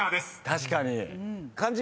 確かに。